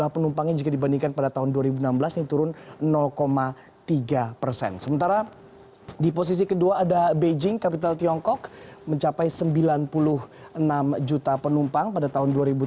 sementara di posisi kedua ada beijing kapital tiongkok mencapai sembilan puluh enam juta penumpang pada tahun dua ribu tujuh belas